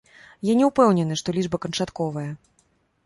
Я не ўпэўнены, што лічба канчатковая.